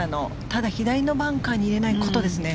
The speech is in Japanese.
ただ、左のバンカーに入れないことですね。